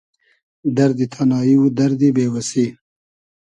دئردی تانایی و دئردی بې وئسی